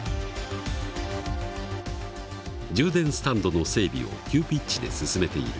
充電スタンドの整備を急ピッチで進めている。